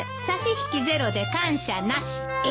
差し引きゼロで感謝なし。